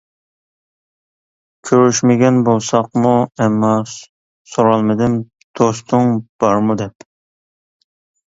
كۆرۈشمىگەن بولساقمۇ ئەمما سورالمىدىم دوستۇڭ بارمۇ دەپ.